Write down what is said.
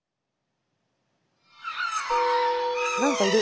何かいる。